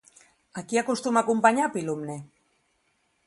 A qui acostuma a acompanyar Pilumne?